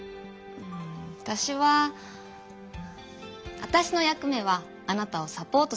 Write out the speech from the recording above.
うんわたしはわたしの役目はあなたをサポートすることだから。